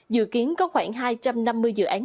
dự kiến có khoảng hai trăm năm mươi dự án